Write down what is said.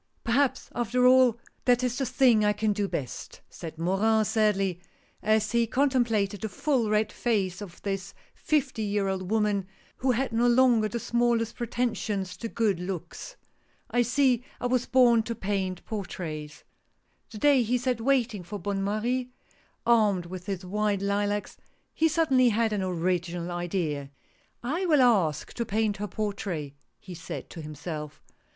" Perhaps after all that is the thing I can do best," said Morin, sadly, as he contemplated the full red face of this fifty year old woman, who had no longer the smallest pretensions to good looks. " I see I was born to paint portraits." The day he sat waiting for Bonne Marie, armed with his white lilacs, he suddenly had an original idea :" I will ask to paint her portrait !" he said to himself.